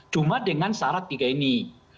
cuma dengan syarat tiga ini